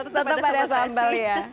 tetap ada sambal ya